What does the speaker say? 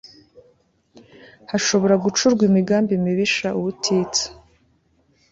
hashobora gucurwa imigambi mibisha ubutitsa